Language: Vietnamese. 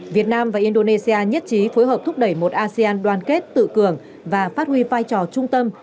việt nam và indonesia nhất trí phối hợp thúc đẩy một asean đoàn kết tự cường và phát huy vai trò trung tâm